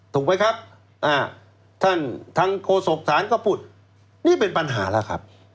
ถูกไหมครับท่านทางโฆษกศาลก็พูดนี่เป็นปัญหาแล้วครับ